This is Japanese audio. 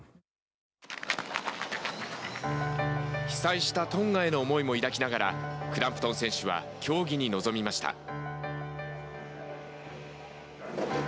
被災したトンガへの思いも抱きながらクランプトン選手は競技に臨みました。